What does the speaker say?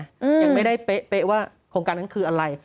ยังไม่ได้เป๊ะว่าโครงการนั้นคืออะไร